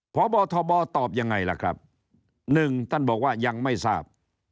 พอบอทบอลตอบยังไงล่ะครับ๑ยังไม่ทราบ